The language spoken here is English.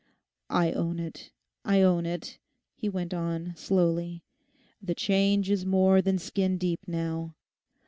'I own it, I own it,' he went on, slowly; 'the change is more than skin deep now.